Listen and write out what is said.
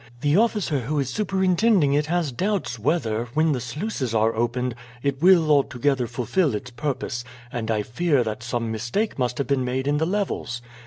The officer who is superintending it has doubts whether, when the sluices are opened, it will altogether fulfill its purpose, and I fear that some mistake must have been made in the levels.